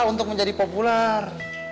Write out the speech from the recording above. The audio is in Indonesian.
untuk menjadi populer